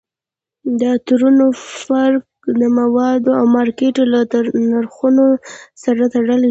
د عطرونو فرق د موادو او مارکیټ له نرخونو سره تړلی وي